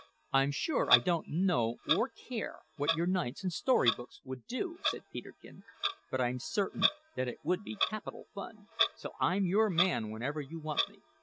"I'm sure I don't know or care what your knights in story books would do," said Peterkin; "but I'm certain that it would be capital fun, so I'm your man whenever you want me."